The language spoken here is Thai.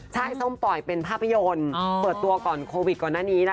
ใช่ส้มปล่อยเป็นภาพยนตร์เปิดตัวก่อนโควิดก่อนหน้านี้นะ